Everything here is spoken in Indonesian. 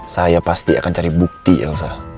saya pasti akan cari bukti elsa